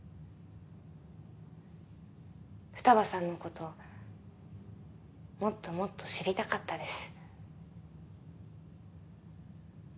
二葉さんのこともっともっと知りたかったです。